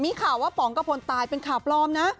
มีข่าวว่าป๋องกระพลตายเป็นข่าวปลอมนะ